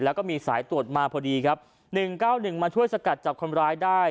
แล้วก็มีสายตรวจมาพอดีครับ๑๙๑มาช่วยสกัดจับคนร้ายได้